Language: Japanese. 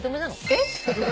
・えっ？